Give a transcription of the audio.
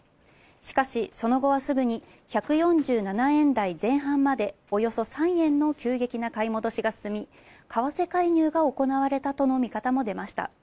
しかし、その後はすぐに１４７円台前半までおよそ３円の急激な買い戻しが進み、為替介入が行われたとの見方も出ました。